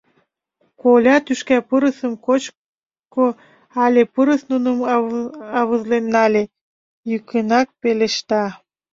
— Коля тӱшка пырысым кочко але пырыс нуным авызлен нале? — йӱкынак пелешта.